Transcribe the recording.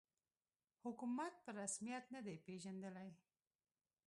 حکومت په رسمیت نه دی پېژندلی